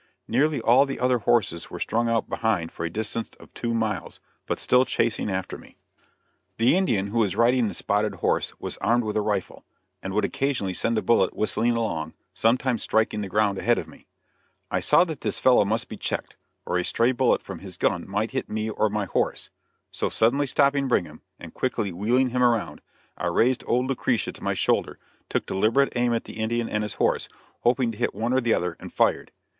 Nearly all the other horses were strung out behind for a distance of two miles, but still chasing after me. [Illustration: DOWN WENT HIS HORSE.] The Indian who was riding the spotted horse was armed with a rifle, and would occasionally send a bullet whistling along, sometimes striking the ground ahead of me. I saw that this fellow must be checked, or a stray bullet from his gun might hit me or my horse; so, suddenly stopping Brigham, and quickly wheeling him around, I raised old "Lucretia" to my shoulder, took deliberate aim at the Indian and his horse, hoping to hit one or the other, and fired.